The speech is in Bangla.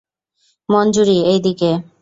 মঞ্জুরী, এইদিকে।